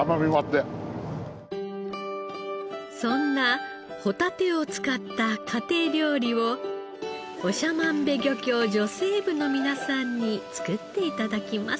そんなホタテを使った家庭料理を長万部漁協女性部の皆さんに作って頂きます。